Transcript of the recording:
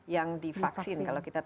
yang divaksin kalau kita